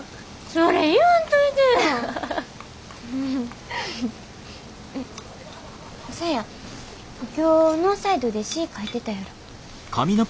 そや今日ノーサイドで詩ぃ書いてたやろ。